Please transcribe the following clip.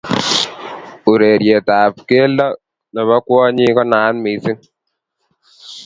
Urerietab keldo nebo kwonyik ko naat mising